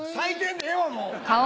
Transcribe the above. んでええわもう！